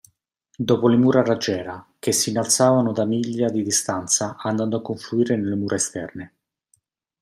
Dopo le mura a raggiera, che si innalzavano da miglia di distanza andando a confluire nelle mura esterne.